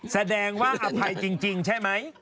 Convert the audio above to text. แสดงว่าอภัยจริงใช่ไหม